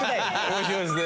面白いですね。